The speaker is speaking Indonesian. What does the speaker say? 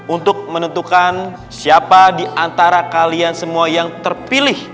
untuk menentukan siapa diantara kalian semua yang terpilih